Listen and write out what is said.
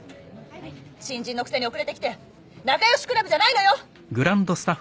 新人のくせに遅れてきて仲良しクラブじゃないのよ！